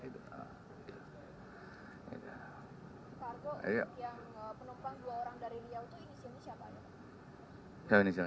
pak argo yang penumpang dua orang dari niautu ini siapa